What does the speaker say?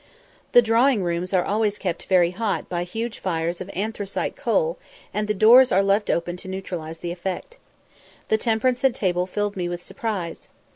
The drawing rooms are always kept very hot by huge fires of anthracite coal, and the doors are left open to neutralise the effect. The temperance at table filled me with surprise.